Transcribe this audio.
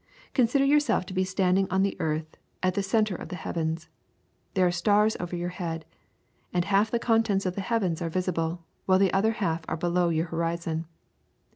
Consider yourself to be standing on the earth at the centre of the heavens. There are stars over your head, and half the contents of the heavens are visible, while the other half are below your horizon.